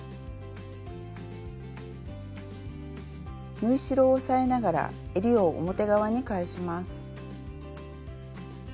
縫い代を押さえながらえりを表側に返します。